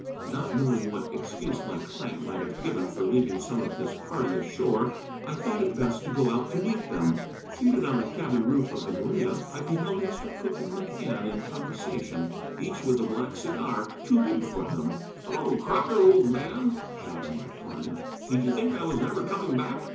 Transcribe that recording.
Not knowing what excuse my client might have given for leaving some of his party ashore, I thought it best to go out to meet them. Seated on the cabin roof of the Maria I beheld Mr. Cooke and McCann in conversation, each with a black cigar too big for him. "Hello, Crocker, old man," shouted my client, "did you think I was never coming back?